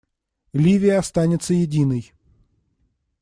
Ливия останется единой.